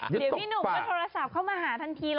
เดี๋ยวพี่หนุ่มก็โทรศัพท์เข้ามาหาทันที